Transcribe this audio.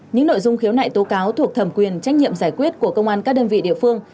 những nội dung khiếu nại tố cáo thuộc thẩm quyền trách nhiệm giải quyết của công an các đơn vị địa phương